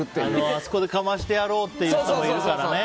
あそこでかましてやろうという子もいるからね。